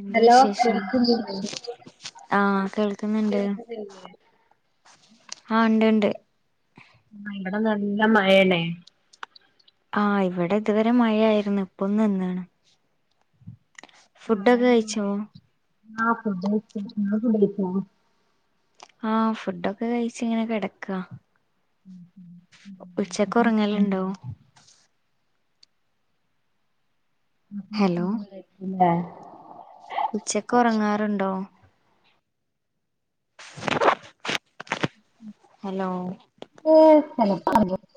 എന്താ ഹലോ വിശേഷം കേൾക്കുന്നില്ലേ ആ കേൾക്ക്ന്ന്ണ്ട്. [inaudible] ആ ണ്ട് ണ്ട്. ആ ഇവടെ നല്ല മഴണേ. ആഹ ഇവിടെ ഇതുവരെ മഴായിരുന്നു ഇപ്പൊന്ന് നിന്നാണ് ഫുഡൊക്കെ കഴിച്ചോ മഴയായോണ്ടേ [unintelligible] ആഹ ഫുഡൊക്കെ കഴിച്ച ഇങ്ങനെക്കെ കിടക്കുക ഉച്ചക്ക് ഉറങ്ങല്ല ഉണ്ടോ ഹലോ [unintelligible] ഉച്ചക്ക് ഉറങ്ങാറുണ്ടോ ഹലോ ഏ [unintelligible]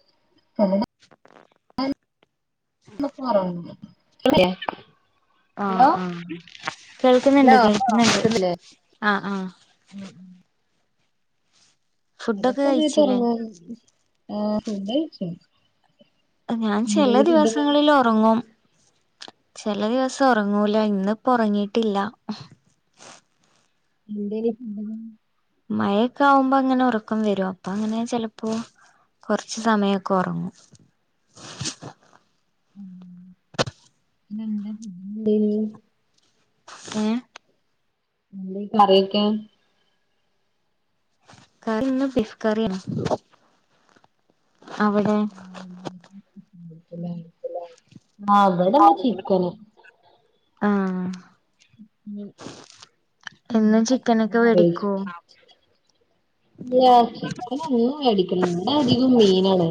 [unintelligible] ആ ആഹ കേൾക്കുന്നുണ്ട് ഹലോ കേൾക്കുന്നുണ്ട് ആഹ ആഹ ഉം ചില ഫുഡൊക്കെ കഴിച്ചില്ലേ സമയത്ത്റങ്ങും ആ ഫുഡ്‌ കഴിച്ചോ ഞാൻ ചില ദിവസങ്ങളിലോ ഉറങ്ങും ചില ദിവസം ഉറങ്ങൂലോ ഇന്നപ്പോ ഉറങ്ങിട്ടില്ല എന്തെ [inaudible] മഴൊക്കെ ആകുമ്പോ അങ്ങനെ ഉറക്കം വരും അപ്പൊ അങ്ങനെ ചെപ്പോ കുറച്ച് സമയമൊക്കെ ഉറങ്ങും [inaudible] [unintelligible] ഏ [unintelligible] കറിവെക്കാൻ കറി ഇന്ന് ബിഫ് കറിയാണ് അവിടെ [unintelligible] ആഹ് ഇവടെന്ന് ചിക്കന് [unintelligible] ആഹ [unintelligible] [unintelligible] [unintelligible] എന്നും ചിക്കനൊക്കെ വേടിക്കോ ഒന്ന മേടിക്കണം നമ്മുടെ അധികവും മീനാണ്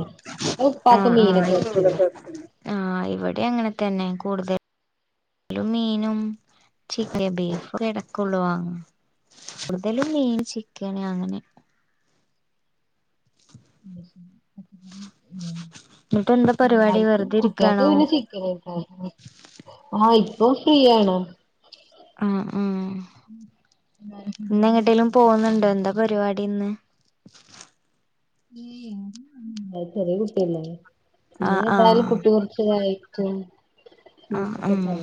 ഉപ്പക്ക മീനൊക്കെ വെച്ചുള്ളൂ ആ ഇവിടെ അങ്ങനെ തന്നെ കൂടുതൽ മീനും ചിക്ക ബീഫ കിടക്കള്ളവങ്ങ ഇവിടുത്തേൽ മീൻ ചിക്കൻ ആണ് അങ്ങനെ [inaudible] എന്നിട്ട് എന്താ പരിപാടി വെറുതെ ഇരിക്കാണോ [unintelligible] ആഹ ഇപ്പൊ ഫ്രീയാണ് ആ ഉം ഇന്ന്െങ്ങട്ടേലും പോകുന്നുണ്ടോ എന്താ പരിപാടി ഇന്ന് [unintelligible] ചെറിയ കുട്ടിയല്ല ഇനി ആഹ് ആഹ് എതായാലും കുട്ടി കുറച്ചതായി [unintelligible] [unintelligible] ല്ല ആഹ് ആഹ്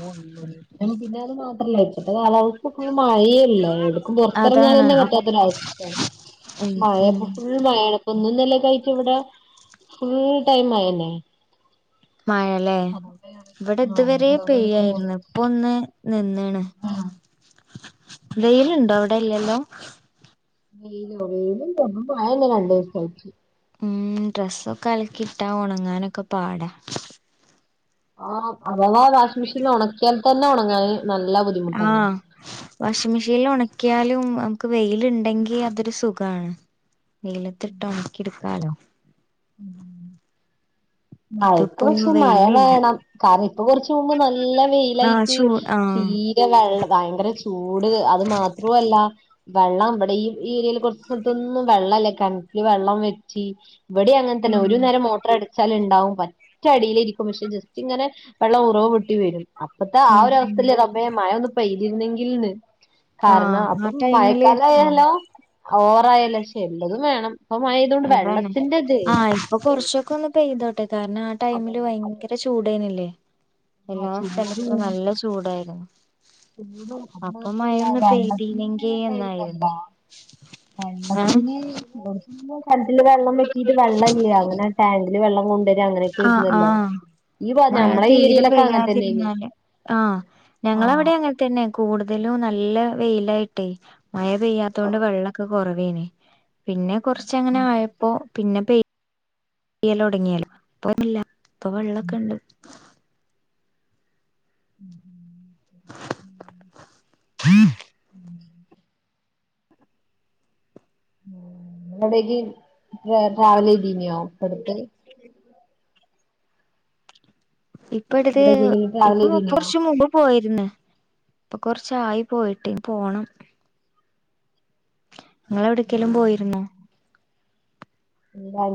എടും അതാണ് പുറത്തിറങ്ങാനന്ന അപ് പറ്റാത്തരവസ്ഥ ഉം ഉം മഴപ്പോ ഫുൾ മഴ ഒന്ന നിലക്കയിട്ട് ഇവിടെ ഫുൾ ടൈം ആയന്നെ മഴല്ലേ ഇവിടെ ആഹ് ഇതുവരെ അതോണ്ട് എടുക്കുമ്പോ പെയ്യായിരുന്നു ഇപ്പൊ ഒന്ന് നിന്ന് ആഹ് [unintelligible] വെയിലുണ്ടോ അവിടെല്ലല്ലോ വയില [unintelligible] രണ്ടു ദിവസംഴച്ചു ഉം ഡ്രസ്സൊക്കെ അലക്കി ഇട്ടാ ഉണങ്ങാനൊക്കെ പാടാ ആഹ് അതവ വാഷിങ് മെഷീനിൽ ഉണക്കിയാൽ തന്നെ ഉണങ്ങാൻ നല്ല ബുദ്ധിമുട്ടന്നെ ആഹ വാഷിംഗ മെഷീനിൽ ഉണക്കിയാലും നമക്ക് വെയില് ഉണ്ടെങ്കി അതൊരുസുഖണ് നെയിലത്തി ഇട്ടഒണക്കി എടുക്കാലോ ഉം ഇതിപ്പോ മയാക്ക്പക്ഷെ മയ വെയിലില്ല വേണം കാരണം ഇപ്പൊ കുറച്ച മുമ്പ് നല്ല വെയിലായിട്ട് ആ വെള്ളം ഭയങ്കര ചൂട് അത് മാത്രോല്ല വെള്ളം ഇവിടെ ഈ ഈ ഏരിയയിൽ കുറച്ചസ്ഥലത്തൊന്നും വെള്ളല്ല കിണറ്റിലെ വെള്ളം വെറ്റി ഇവിടെൻ അങ്ങനെ തന്നെ ഒരു ആഹ് നേരം മോട്ടർ അടി ചലുണ്ടാവും പറ്റ അടിയിലിരിക്കും പക്ഷെ ജസ്റ്റ് ഇങ്ങനെ വെള്ളം ഉറവ് പൊട്ടി വരും അപ്പത്തെ ആ ഉം ഒരു ഉം അവസ്ഥൽ റബ്ബെ മയ മഴ ഒന്ന് പെയ്ന്നെങ്കിലെന്ന് കാരണം ആഹ് ആ അപ്പം മയ ടൈമില് ക്കാല ആഹ് ആയല്ലോ ഓവറായല്ലക്ഷെ എല്ലതും വേണം ഇപ്പ മ യപെയ്ധോണ്ട് വെള്ള അതാണ് ആഹ് ഇപ്പൊ കൊറച്ചൊക്കെ ഒന്ന് പെയ്തോട്ടെ കാരണം ആ ടൈമില് അതന്നെ ഭയങ്കര ല്ലേചൂടായിരുന്നിലെ എല്ലാ ചൂടും സ്ഥലത്തും നല്ല ചൂടായിരുന്നു [unintelligible] അപ്പൊ മഴൊന്ന് പെയ്തീനെങ്കി എന്നായിരുന്നു ഏഹ് വെള്ളത്തിന് കെൻ്റില് വെള്ളം വെറ്റിട്ട് വെള്ളല്ല ങ്ങനെ ടാങ്കില് വെള്ളം കൊണ്ടാര ആഹ് അങ്ങനെക്കെരുന്നല്ലോ ആഹ് മഴ തീരെ തന്നെനി പെയ്യാതിരുന്നാല് ആഹ് ആഹ് ഞങ്ങളവിടെ അങ്ങന തന്നെ കൂടുതലും നല്ല വെയിലായിട്ടേയ് മയ പെയ്യത്തൊണ്ട് വള്ളോക്കെ കുറവേനു പിന്നെ കൊറച്ചങ്ങനെ ആയപ്പോ പിന്നെ പെയ്യ പെയ്യോടങ്ങിയാലും ഇപ്പൊഇല്ല ഇപ്പ വെള്ളമൊക്കെണ്ട് ഉം [unintelligible] [inaudible] വിടേക്ക് ട്രാവലെയ്തീനോ ഇപ്പടുത്ത് ഇപ്പട്ത് ഇവിടേക്കെങ്കിലും ട്രാവൽ ഇപ്പൊ ചെയ്തീനോ കുറച്ച മുമ്പ് പോയിരുന്നു പ്പൊ കൊറച്ചായി പോയിട്ടേ പോണം ങ്ങള് എവിടെക്കെങ്കി ലും പോയിരുന്നോ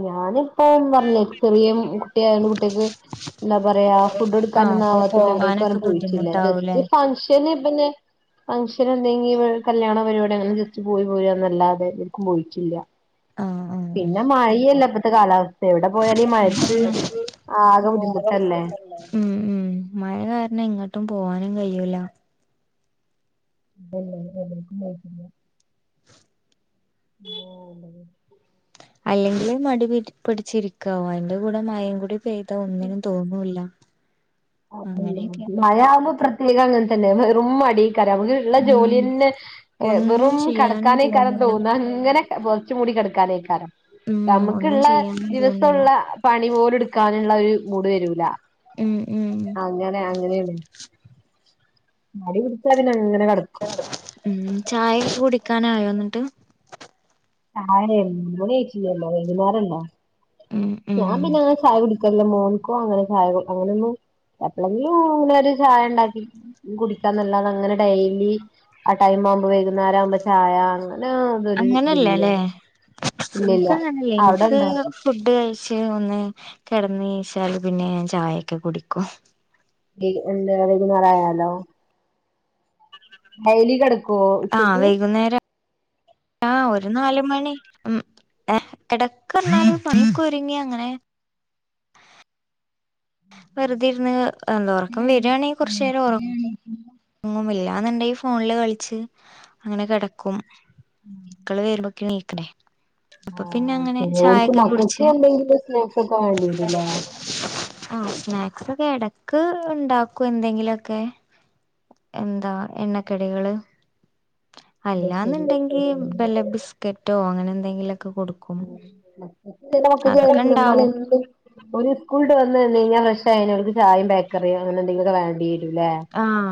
ഇഞാനിപ്പൊ പറഞ്ഞിലെ ചെറിയ കുട്ടിയായണ്ട് കുട്ടിയാക്ക്‌ ന്താ പറയാ ഫുഡ് എടുക്ക ആഹ് നൊന്നും അപ്പൊ ആവാതോണ്ട് എവിടേക്കും പോവാനൊക്കെ അങ്ങനെ പോയില്ല ബുദ്ധിമുട്ടാവൂലേ ജസ്റ്റ് ഫൻ പിന്നെ ഫംഗ്ഷൻ എന്തെങ്കി ഇ കല്യാണ പരിപാടി അങ്ങനെ ജെസ്റ് പോയി പോരാന്നല്ലാതെ പോയിട്ടില്ല ആഹ് ആഹ് പിന്നെ മഴയല്ല ഇപ്പത്തെ കാലാവസ്ഥ എവിടെ പോയാല മഴത് ആകെ പോവാതെ ബുദ്ധിമുട്ടല്ലേ ബുദ്ധിമുട്ടുണ്ടാവും. ഉം ഉം മഴ കാരണം ഇങ്ങട്ടും പോവാനും കഴിയൂല്ല [unintelligible] ഓ [unintelligible] അല്ലെങ്കിലെ മടി പിടി പിടിച്ചിരിക്കാവും അതിന്റെ കൂടെ മയം കൂടി പെ ഇ ഒന്നിനും തോന്നൂല്ല അങ്ങനെയൊക്കെ മയാവ്പോ പ്രത്യേകം അങ്ങനെ തന്നെവെറും മടിയാക്കാരം നമുക്ക് ള്ള ഉം ജോലിയന്നെ ഒന്നും വെറും ചെയ്യാനും കടക്കാനേ യ്ക്കാറും തോന്നൂല തോന്ന ങ്ങനെ പൊതച്ചു മൂടി കകെട് ക്കാനേയ്ക്കാരും ക്കാരം ഉം ഒന്നും ചെയ്യാനും തോന്നില്ല നമുക്കുള്ളദിവസുള്ള പണി പോലും ടുക്കാനുള്ള ഒരു മൂഡ് വരൂല ഉം ഉം അങ്ങനെ അങ്ങനെയല്ല മടി പിടിചാൽങ്ങനെ കടക്കും ഉം ചായൊക്കെ കുടിക്കാന ആയോ എന്നിട്ട് വൈകുന്നേരല്ലോ ഹമ് [unintelligible] ഞാൻ പിന്നെ അങ്ങന ചായ കുടിക്കല്ലോ മോൻകോ അങ്ങനെ ചായ അങ്ങനഒന്നും എപ്പോഴെങ്കിലും ങ്കിലും ഇങ്ങനെ ചായ ഉണ്ടാകി കുടിക്കാ നല്ലാതാ അങ്ങനെ ഡെയിലി ആ ടൈംമാവുമ്പോ വൈകുന്നേരാ വുമ്പോ ചായ അങ്ങനെ അതൊരു ഇതില്ല അങ്ങനെയല്ലല്ലേ, ഇല്ലില്ല ഇന്ക്കങ്ങനല്ലേ അവിടെ ഇൻക്ക് ഉണ്ടോ ഫുഡ് കഴിച്ച ഒന്ന് കടന്ന് നീച്ചാല് പിന്നെ ഞാൻ ചായൊക്കെ കുടിക്കും. ഹേ എന്താ വകുന്നരായാലോ? ഡയ്ലി കിടക്കൊ ആഹ് ഉച്ചയ്ക്ക്. വൈകുന്നേരം ആഹ് ഒരു നാല്മണി ഉം ഹെ കിടക്കന്നാലും പണിക്കെ ഒരുങ്ങി അങ്ങനെ വെറുത് ഇരുന്ന് എന്താ ഉറക്കം [unintelligible] ങ്ങുമില്ലാന്നണ്ടയ് ഫോണില് കളിച്ച് അങ്ങനെ കിടക്കും. ഹും മക്കള് വരുബോക്കിന് നീക്കണ്ട അപ്പൊ ആഹ് പിന്നെങ്ങനെ ശരി ഓൽക്ക് ചായൊക്കെ മക്കൾക്ക് കുടിച്ച്. എന്തെങ്കിലും സ്നാക്സ് ഒക്കെ വേണ്ടി വരൂല്ലേ ആ സ്നാക്സ്ക്കെ ഇടക്ക് ഉണ്ടാക്കും എന്തെങിലുംക്കെ എന്താ എണ്ണക്കടികള് അത് ശരി അല്ലാന്ന്ണ്ടെങ്കി ഉം ബല്ല ബിസ്ക്കറ്റോ അങ്ങനെ എന്തെങ്കിലുംക്കെ കൊടുക്കും. അതൊക്കെ ഇണ്ടാവും [unintelligible] ഒരു സ്കൂൾട്ട് വന്ന് ന്ന്കഴിഞ്ഞാ ഫ്രഷാ യിന് അവക്ക് ചായം ബേക്കറിയ അങ്ങനെ എന്തെങ്കിലുംക്കെ വേണ്ടിരൂല്ലേ? ആഹ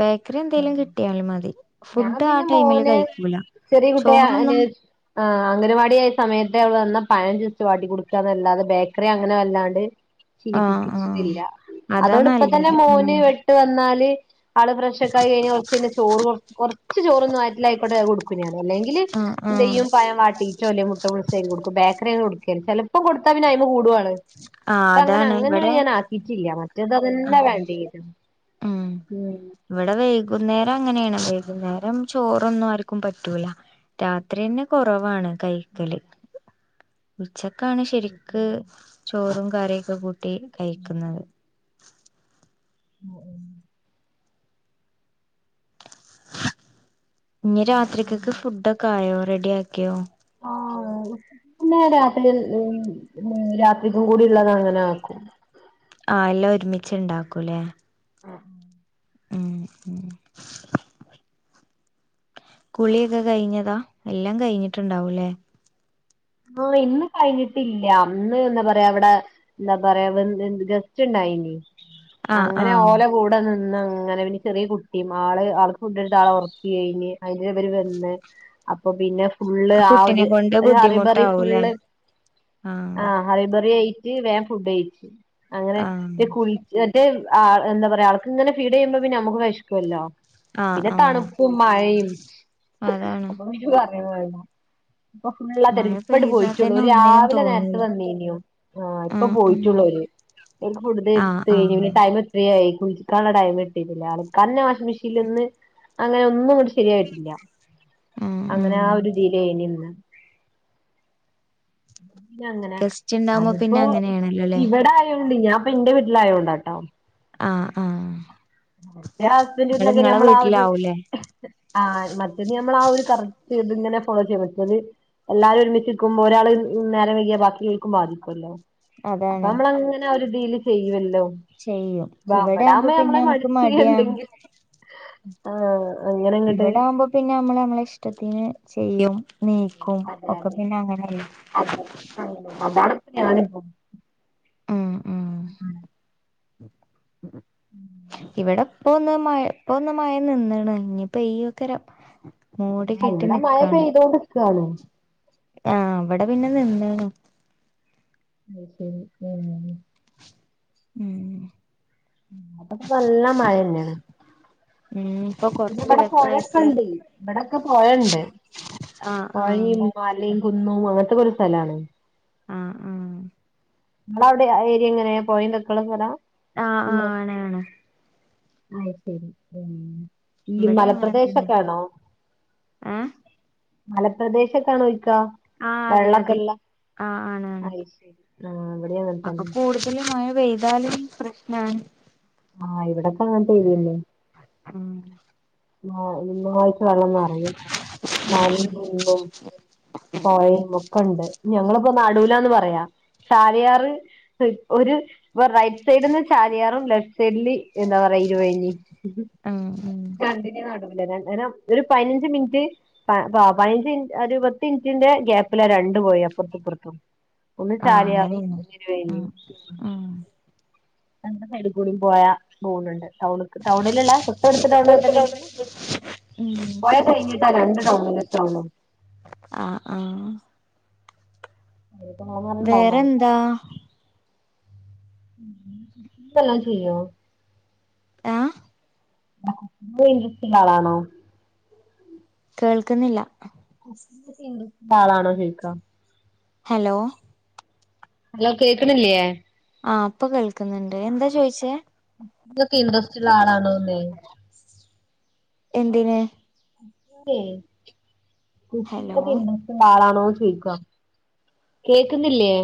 ബേക്കറിന്തെലും കിട്ടിയാലും മതി. ഞാൻ ഫുഡ് ആ പിന്നെ ടൈമില് മോന് കഴിക്കൂല ചെറിയ കുട്ടിയാ അന് ചോറൊന്നും ആ അംഗനവാടിആയ സമയത്ത് അവള് വന്ന പഴം ജസ്റ്റ്‌ വാട്ടി കൊടുക്കാന്നല്ലാതെ ബേക്കറി അങ്ങനെ വല്ലാണ്ട്. ആഹ് ആഹ് ശീലിപ്പിച്ചിട്ടില്ല അതാ അതോട് പ്പതന്നെ നല്ലത് ഉം മോന് വിട്ട് വന്നാല് ആള് ഫ്രഷ്ഒക്ക ആയികഴിഞ്ഞ കുറച്ച്യ്ഞ്ഞ ചോറുകൊട് കൊറച്ച് ചോറ് വയറ്റിലായിക്കോട്ട അത് കൊടുക്കും. പിന്നെ അതെ ല്ലെങ്കില് ആഹ് ആഹ് ന്തെയ്യും പയം വാട്ടി ചൊലയ മുട്ട ബുള്ള്സേയി കൊടുക്കും. ബേകറിയന്ന് കൊടുക്കൽല ചിലപ്പോ കൊടുത്ത പിന്നെ അയ്മ കൂടാവാ അ ആഹ് പ്പങ്ങനെ അതാണ് അങ്ങനെ ഇവിടെ ഞാൻആക്കി ഇച്ചില്ല മറ്റേത് ത്തന്നേ വേണ്ടിരും ഉം ഇവിടെ വൈകുന്നേരം അങ്ങനെണ് വൈകുന്നേരം. ചോറൊന്നും ആർക്കും പറ്റൂല. രാത്രിയന്നെ കുറവാണ് കൈക്കല്. [unintelligible] ഉച്ചക്കാണ് ശരിക്ക് ചോറും കറിയൊക്കെ കൂട്ടി കയിക്ക്ന്നത്. [unintelligible] ഞി രാത്രിക്കക്ക് ഫുഡ്‌ ഒക്കെ ആയോ റെഡി ആക്കിയോ? [inaudible] ന്ന രാത്രി രാത്രിക്കും കൂടി ള്ളത് അങ്ങനെ ആക്കും. ആ ല്ലാം ഒരുമിച്ച്ണ്ടാക്കൂലേ? ഹും ഹും കുളിയൊക്കെ കഴിഞ്ഞതാ എല്ലാം കഴിഞ്ഞിട്ട്ണ്ടാവുല്ലേ? ഓ ഇന്ന് കഴിഞ്ഞിട്ടില്ല. ന്ന്ന്താ പറയാ വടെ ന്താ പറാ ന്ന് ഗസ്റ്റ്ണ്ടായിന് ആ ആ അങ്ങനെ ഓല കൂട അവിടെ നിന്ന് അങ്ങനെ പിന്നെ ചെറിയ കുട്ടിം ആള് ആൾക്ക് ഫുഡ്‌ട്ത്താളെ ഉറക്കികഴിഞ്ഞ് അയിഞ്ഞ്പര് വന്ന് അപ്പൊ പിന്നെ ഫുള്ള് ആ കുട്ടിനെ ആഒര്. കൊണ്ട് ഒര് ഹറിബറി ബുദ്ധിമുട്ടാവൂലേ ഫുള്ള് ആ ആഹ. ഹറിബറിയയിട്ട് വേം ഫുഡ് കഴിച് അങ്ങനെ ആ ന്നെകുൽ ത്. മറ്റേ ആ എന്താ പറയാ ആവക്ക് ഇങ്ങനെ ഫീഡ്യ്യുമ്പോ പിന്നെ നമുക്ക് വിശക്കുവല്ലോ? ആ പിന്നെ ആ തണുപ്പും മഴയും അതാണ് [unintelligible] ജ് പറിംമണ്ടഇപ്പൊ മഴ ഫുള്ളാതരും ഇപ്പണ്ട് പെയ്താ പോയിട്ടുള്ളൂ. തന്നെ ഓര് ഒന്നിനും രാവിലെ നേരത്ത് തോന്നൂല വന്നിനു ആ ഇപ്പ പോയിട്ടുള്ളൂ ഓര്. [unintelligible] ആ ആ കൊറേയി കുളിക്കാൻള്ള ടൈംമ്ട്ടിട്ടില്ല. ആൽക്കാന്നെ വാഷിംഗ് മെഷീല്ന്ന് അങ്ങനെ ഒന്നുംഗണ്ട് ശരിയായിട്ടില്ല ഉം അങ്ങനെ ഉം ആ ഒരുതിലെന് ന്ന് അങ്ങനെ ഗസ്റ്റ് ഉണ്ടാവുമ്പോ പിന്നെ അതിപ്പോ അങ്ങനെയാണല്ലോല്ലേ ഇവിടെ ആയോണ്ട് ഞാൻപ്പൊ ന്റെ വീട്ടിലയോണ്ടട്ടോ ആഹ ആഹാ ഹസ്ബൻഡ് വീട്ടിലൊക്കെ ഞമ്മള ആ ഒരു വീട്ടിലാവൂലേ ആഹ് മറ്റത് നമ്മളെ ആ ഒരു കറക്റ്റ് ഇതിങ്ങനെ ഫോളോ ചെയ്യ മറ്റത് എല്ലാരും ഒരുമിച്ചിരിക്കുമ്പോ ഒരാൾ നേരം വൈകിയ ബാക്കിള്ളോൽക്കും ബാധിക്കോല്ലോ അപ്പൊ അതാണ് നമ്മൾ അങ്ങനെ ഒരുദീൽ ചെയ്യോല്ലോ ചെയ്യും ഇവിടെയാവുമ്പോ പിന്നെ നമുക്ക് മടിയാ എന്തെങ്കിലും ആഹ് അങ്ങനങ്ങട്ട് ഇവിടെ ആവുമ്പോ പിന്നെ നമ്മള് നമ്മളെ ഇഷ്ടത്തിന് ചെയ്യും നീക്കും അതെ ഒക്കെ പിന്നെ അങ്ങനെ അതെ അ അതാണ് ഇപ്പൊ ഞാൻ ഇപ്പം ഉം ഉം [unintelligible] ഇവിടെ പ്പൊ ഒന്ന് മഴ ഇപ്പൊ ഒന്ന് മഴ നിന്ന്ണ് ഇഞ് പെയ്യോക്കാരം മൂടി ആ കെട്ടി ഇവടെ മഴ നിക്കാണ് പെയ്തോണ്ട്ക്കാണ് ആഹ് ഇവടെ പിന്നെ നിന്ന്ണ് അയ്‌ ശരി ഉം ഉം [unintelligible] നല്ല മഴന്നെണ് ഉം ഇപ്പൊ കൊ പിന്നെ ഇവടെ പോഴൊക്കണ്ടെ ഇവടൊക്കെ പോഴണ്ട് ആഹ് ആഹ് ഈ മലയും കുന്നും അങ്ങൻത്തെക്കെ ഒരു സ്ഥലാണ്. ആഹ് ആഹ് ഇങ്ങളെ അവടെ ഏരിയ എങ്ങനെ പൊഴയും ഇതൊക്കെ ഉള്ള സ്ഥലാ ആഹ് ആഹ് ആണ് ആണ് അയ്‌ ശരി ഉം ഈ ഇവിടേം അങ്ങനെ തന്നെ മലപ്രദേശൊക്കെ ആണോ ഏഹ് മലപ്രദേശൊക്കെ ആണൊ ചോയിക്ക ആഹ് അതെ വെള്ളൊക്കെ അതെ ഉള്ളെ ആഹ് ആണ് ആണ് അയ്ശരി ആഹ് ഇവടിം അങ്ങ അപ്പൊ കൂടുതൽ മഴ പെയ്താലും പ്രശ്നാണ് ആഹ് ഇവിടെ ഒക്കെ അങ്ങൻത്തെ ഏരിയന്നെ ഉം ആഹ് [unintelligible] വെള്ളം നിറയും മലയും കുന്നും പുഴയും ഒ ക്കെണ്ട് ഞങ്ങള് ഇപ്പോ നടൂലാന്ന് പറയാ ചാലിയാറ് ഒര് ഇപ്പൊ റൈറ്റ് സൈഡിന്ന് ചാലിയാറും ലെഫ്റ്റ് സൈഡില് എന്താ പറയാ ഇരുവഴിഞ്ഞി ഉം ഉം രണ്ടിന്റിം നടൂല ഞാൻ ഒരു പതിനഞ്ച് മിനിറ്റ് പ പതിനഞ്ച് മിൻ ഒരു പത്ത് മിൻറ്റിന്റെ ഗ്യാപ്പിലാ രണ്ട് പൊയിം അപ്പൊർത്തും ഇപ്പൊർത്തും ഒന്ന് ആഹ് ചാലിയാറും അങ്ങനെയാണ് ഒന്ന് ഇരുവഴിഞ്ഞി ഉം ഉം രണ്ട് സൈഡ് കൂടി പോയാ റോട്ണ്ട് ടൗണ്ക്ക് ടൗണിലിള്ളെ തൊട്ട് അടുത്ത ടൗണൊക്ക ഇണ്ടെങ്കില് ഉം പൊഴ കഴിഞ്ഞിട്ടാ രണ്ട് ടൗണിലൊക്കെ ആവൊള്ളു ആഹ് ആഹ് [unintelligible] വേറെന്താ കുക്കിംഗ്‌ എല്ലാം ചെയ്യോ ആഹ് [unintelligible] ആളാണോ കേൾക്കുന്നില്ല ആളാണോ ചോയ്ക്ക ഹലോ ഹലോ കേക്ക്ണില്ലേ ആഹ് ഇപ്പം കേൾക്കുന്നുണ്ട് എന്താ ചോയിച്ചേ. ക്കെ ഇൻട്രെസ്റ്റ് ആളാണോന്ന് എന്തിന് പിന്നെ കുക്കിംഗ്‌ ഹലോ [unintelligible] ആളാണോ ചോയ്ക്ക കേക്കുന്നില്ലേ